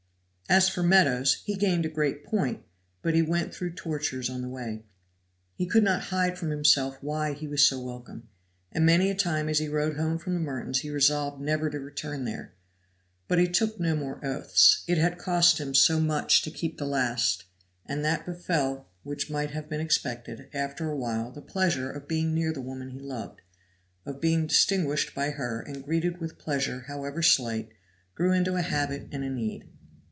As for Meadows, he gained a great point, but he went through tortures on the way. He could not hide from himself why he was so welcome; and many a time as he rode home from the Mertons he resolved never to return there, but he took no more oaths; it had cost him so much to keep the last; and that befell which might have been expected, after a while, the pleasure of being near the woman he loved, of being distinguished by her and greeted with pleasure however slight, grew into a habit and a need.